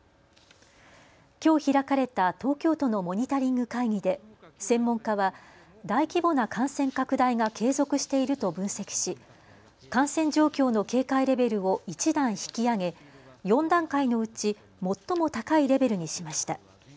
きょう開かれた東京都のモニタリング会議で専門家は大規模な感染拡大が継続していると分析し、感染状況の警戒レベルを１段引き上げ、４段階のうち最も高いレベルにしました。